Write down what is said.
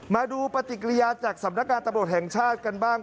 มาดูปฏิกิริยาจากสำนักงานตำรวจแห่งชาติกันบ้าง